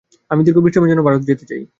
আমি দীর্ঘ বিশ্রামের জন্য ভারতে যেতে চাই।